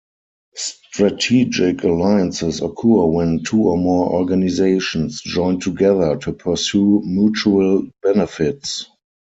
Strategic alliances occur when two or more organizations join together to pursue mutual benefits.